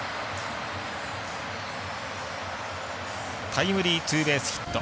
タイムリーツーベースヒット。